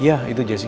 iya itu jessy